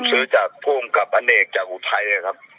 ผมซื้อจากผู้ประมาณอเอกซึ่งออกจากอูทัยแหละครับ